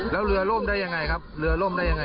แล้วเรือล่มได้ยังไงครับเรือล่มได้ยังไง